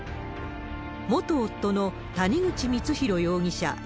元夫の谷口光弘容疑者